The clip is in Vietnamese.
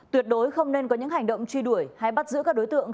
tuyệt đối không nên có những hành động truy đuổi hay bắt giữ các đối tượng